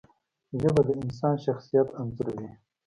ژبه د انسان شخصیت انځوروي